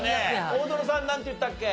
大園さんなんて言ったっけ？